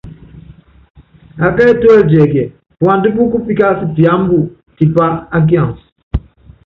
Akɛ tuɛ́lɛ tiɛkíɛ, puandá pú kupíkása píámbu tipá á kiansi.